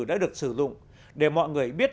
đã được sử dụng để mọi người biết